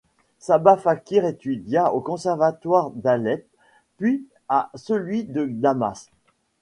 Sabah Fakhri étudia au Conservatoire d'Alep puis à celui de Damas.